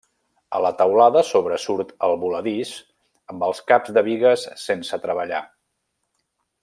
A la teulada sobresurt el voladís amb els caps de bigues sense treballar.